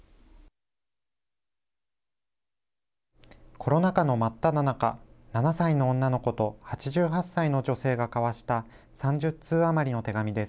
コロナ禍の真っただ中７歳の女の子と８８歳の女性が交わした３０通余りの手紙です